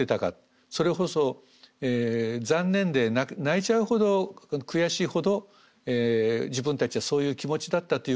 それこそ残念で泣いちゃうほど悔しいほど自分たちはそういう気持ちだったということがですね